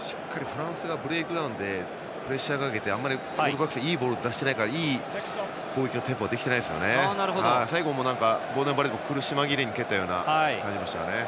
しっかりフランスがブレイクダウンでプレッシャーをかけてあまりオールブラックスはいいボールを出していないのでいい攻撃のテンポができていなくて最後もボーデン・バレットが苦し紛れに蹴ったような感じでしたね。